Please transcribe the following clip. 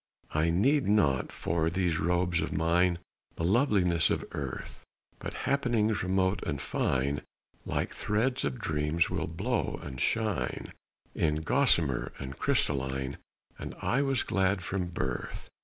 I need not for these robes of mine The loveliness of earth, But happenings remote and fine Like threads of dreams will blow and shine In gossamer and crystalline, And I was glad from birth.